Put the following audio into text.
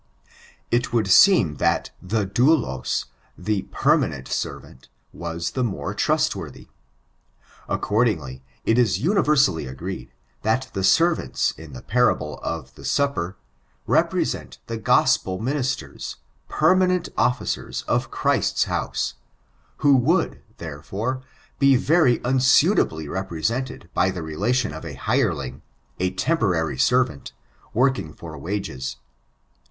It would seem that the doulos, the permanent servant, was the more trustworthy. Accordingly, it is universally agreed, that the sei*vants in the parable of the supper, represent the gospel ministers — permanent officers in Christ's house, who would, therefore, be very unsuitably represented by the relation of a hireling, a temporary servant, working for wages.